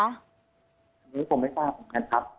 อันนี้ผมไม่ทราบนะครับ